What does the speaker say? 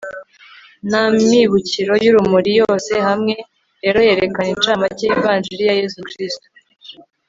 n'amibukiro y'urumuri. yose hamwe rero yerekana inshamake y'ivanjili ya yezu kristu